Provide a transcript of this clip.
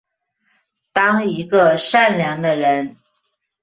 当一个善良的人